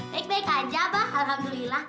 baik baik aja pak alhamdulillah